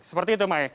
seperti itu maik